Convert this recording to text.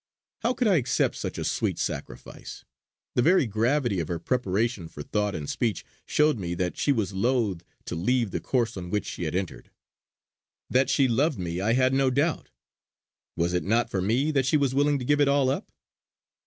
How could I accept such a sweet sacrifice. The very gravity of her preparation for thought and speech showed me that she was loth to leave the course on which she had entered. That she loved me I had no doubt; was it not for me that she was willing to give it all up.